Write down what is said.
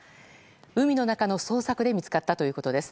海の中の捜索で見つかったということです。